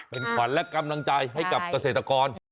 เป็นขวัญและกำลังใจให้กับเกษตรกร